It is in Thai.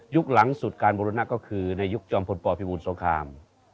หลังสุดการบุรณะก็คือในยุคจอมพลปพิบูรสงคราม